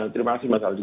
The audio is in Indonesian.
terima kasih mas aldi